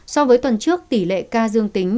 so với tuần trước tỷ lệ ca dương tính